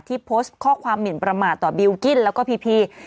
โพสต์ข้อความหมินประมาทต่อบิลกิ้นแล้วก็พีพี